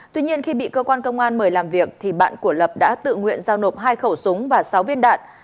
tuy nhiên khi bị cơ quan công an mời làm việc thì bạn của lập đã tự nguyện giao nộp hai khẩu súng và sáu viên đạn